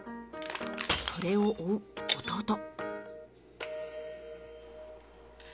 それを追う弟。